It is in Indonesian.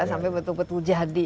sampai betul betul jadi